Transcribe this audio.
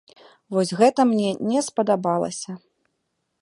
Вось гэта мне не спадабалася.